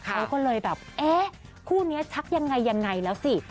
เขาก็เลยแบบคู่นี้ชักยังไงแล้วสิ